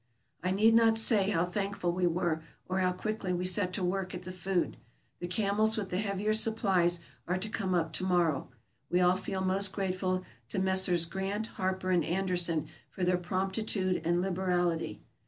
I need not say how thankful we were, or how quickly we set to work at the food. The camels with the heavier supplies are to come up to morrow. We all feel most grate ful to Messrs. Grant, Harper, and Anderson for their prompt itude and liberality.